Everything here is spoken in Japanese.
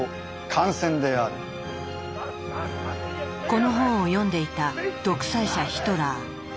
この本を読んでいた独裁者ヒトラー。